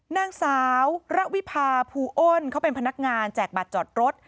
นางสาวระวิพาภูอ้นเขาเป็นพนักงานแจกบัตรจอดรถ